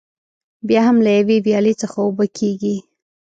بیا هم له یوې ویالې څخه اوبه کېږي.